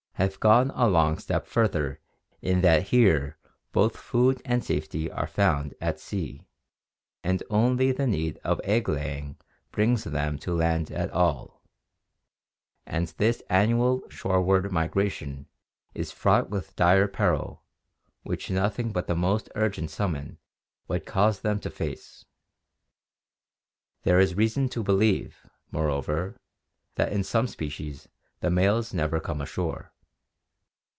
61) have gone a long step further in that here both food and safety are found at sea and only the need of egg laying brings them to the land at all, and this annual shoreward migra tion i s fraught with dire peril which nothing but the most urgent summons would cause them to face. There is reason to believe, ^W ■— Marine turtle, "hawksbill," Chdonc imhricala. moreover, thai in (AteH.ccM.) some species the males never come ashore.